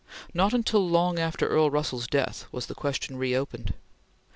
Not until long after Earl Russell's death was the question reopened.